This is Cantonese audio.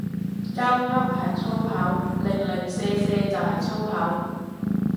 鳩噏係粗口，零零舍舍就係粗口